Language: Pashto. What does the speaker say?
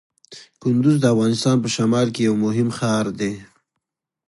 کندز د افغانستان په شمال کې یو مهم ښار دی.